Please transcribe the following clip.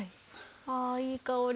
ああいい香り。